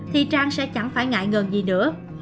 thì trang sẽ chẳng phải ngại ngờ gì nữa